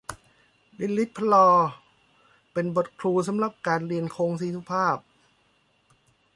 ลิลิตพระลอ เป็นบทครูสำหรับการเรียนโคลงสี่สุภาพ